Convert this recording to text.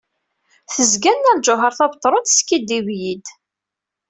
Tezga Nna Lǧuheṛ Tabetṛunt teskidib-iyi-d.